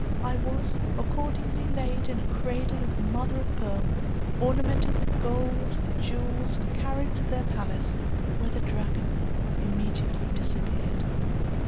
I was accordingly laid in a cradle of mother of pearl, ornamented with gold and jewels, and carried to their palace, when the dragon immediately disappeared.